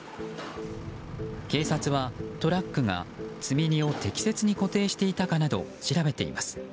警察はトラックが積み荷を適切に固定していたかなどを調べています。